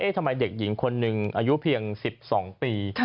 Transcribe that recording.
ทำไมเด็กหญิงคนหนึ่งอายุเพียง๑๒ปี